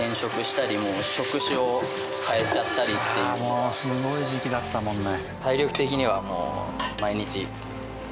もうすごい時期だったもんね。